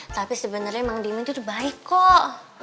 tapi sebenernya mang diman tuh baik kok